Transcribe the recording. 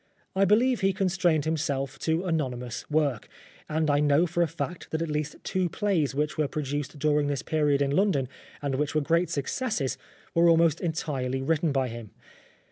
I believe he constrained himself to anonymous work, and I know for a fact that at least two plays which were produced during this period in London, and which were great successes, were almost entirely written by him.